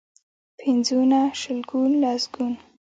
پنځونه، شلګون ، لسګون.